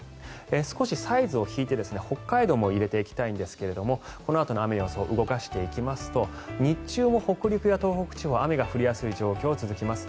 少しサイズを引いて北海道も入れていきたいんですがこのあとの雨の予想動かしていきますと日中も北陸や東北地方雨が降りやすい状況は続きます。